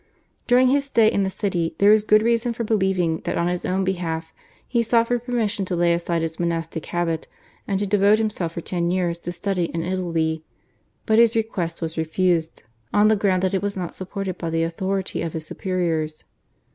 During his stay in the city there is good reason for believing that on his own behalf he sought for permission to lay aside his monastic habit and to devote himself for ten years to study in Italy, but his request was refused on the ground that it was not supported by the authority of his superiors.